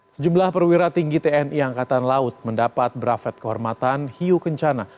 sejumlah perwira tinggi tni angkatan laut mendapat brafet kehormatan hiu kencana